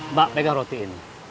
mbak pegang roti ini